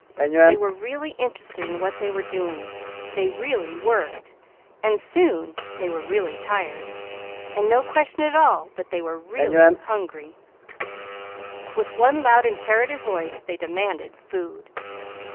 They were really interested in what they were doing, they really worked, also soon they were really tired, they were really hungry. With imperative voice they demanded food.